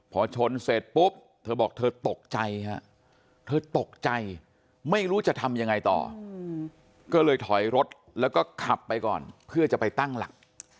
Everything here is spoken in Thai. พอชนเสร็จปุ๊บเธอบอกเธอตกใจฮะเธอตกใจไม่รู้จะทำยังไงต่อก็เลยถอยรถแล้วก็ขับไปก่อนเพื่อจะไปตั้งหลัก